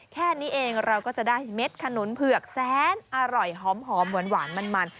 แค่นี้เองเราก็จะได้เม็ดขนุนเผือกแสนอร่อยหอมหวานมัน